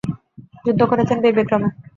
যুদ্ধ করেছেন বীরবিক্রমে।